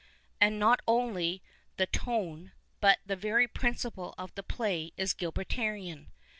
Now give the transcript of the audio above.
And not only the tone, but the very principle of the play is Gilbertian.